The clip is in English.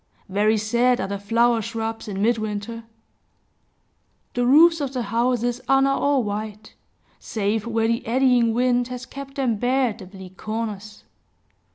Very sad are the flower shrubs in midwinter! The roofs of the houses are now all white, save where the eddying wind has kept them bare at the bleak corners.